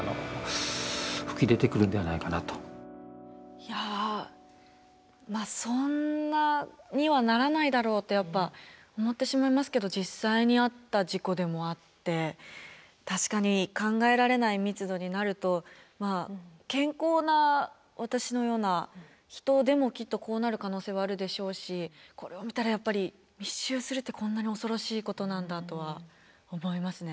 いやまあそんなにはならないだろうとやっぱ思ってしまいますけど実際にあった事故でもあって確かに考えられない密度になるとまあ健康な私のような人でもきっとこうなる可能性はあるでしょうしこれを見たらやっぱり密集するってこんなに恐ろしいことなんだとは思いますね。